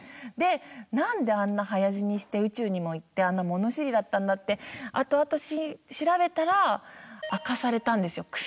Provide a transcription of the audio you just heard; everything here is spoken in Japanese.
で何であんな早死にして宇宙にも行ってあんな物知りだったんだって後々調べたら明かされたんですよ